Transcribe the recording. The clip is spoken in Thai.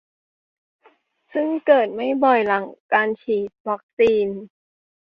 ซึ่งเกิดขึ้นไม่บ่อยหลังจากการฉีดวัคซีน